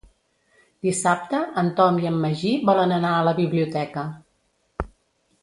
Dissabte en Tom i en Magí volen anar a la biblioteca.